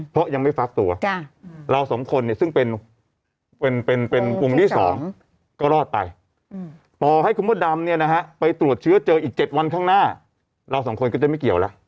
เพราะยังไม่ฟักตัวเราสองคนเนี่ยซึ่งเป็นกลุ่มที่๒ก็รอดไปต่อให้คุณมดดำเนี่ยนะฮะไปตรวจเชื้อเจออีก๗วันข้างหน้าเราสองคนก็จะไม่เกี่ยวแล้ว